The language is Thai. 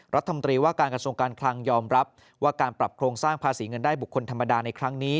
รัฐมนตรีว่าการกระทรวงการคลังยอมรับว่าการปรับโครงสร้างภาษีเงินได้บุคคลธรรมดาในครั้งนี้